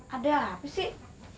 ada apa sih